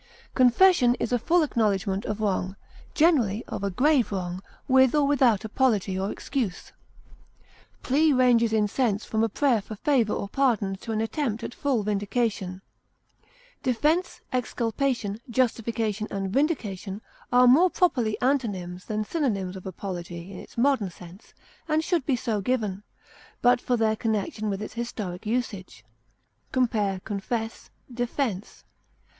Confession is a full acknowledgment of wrong, generally of a grave wrong, with or without apology or excuse. Plea ranges in sense from a prayer for favor or pardon to an attempt at full vindication. Defense, exculpation, justification, and vindication are more properly antonyms than synonyms of apology in its modern sense, and should be so given, but for their connection with its historic usage. Compare CONFESS; DEFENSE.